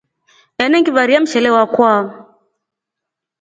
Enengivaria mshele wakwa.